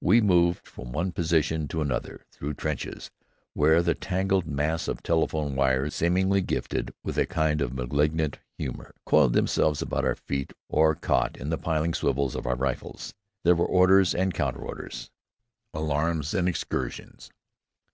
We moved from one position to another through trenches where the tangled mass of telephone wires, seemingly gifted with a kind of malignant humor, coiled themselves about our feet or caught in the piling swivels of our rifles. There were orders and counter orders, alarums and excursions.